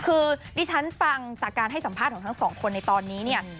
คือดิฉันฟังจากการให้สัมภาษณ์ของทั้งสองคนในตอนนี้เนี่ย